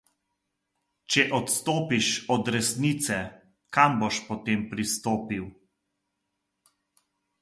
Če odstopiš od resnice, kam boš potem pristopil.